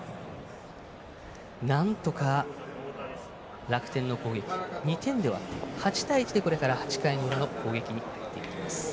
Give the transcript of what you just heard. なんとか楽天の攻撃２点で終わって８対１で８回の裏の攻撃に入っていきます。